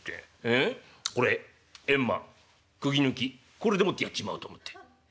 これでもってやっちまおうと思って」。